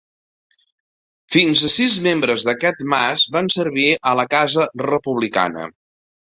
Fins a sis membres d'aquest mas van servir a la Casa Republicana.